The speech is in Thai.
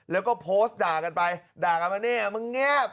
แล้วก็โพสต์ด่ากันไปด่ากันมาเนี่ยมึงเงียบ